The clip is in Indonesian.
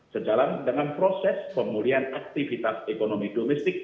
sejalan dengan proses pemulihan aktivitas ekonomi domestik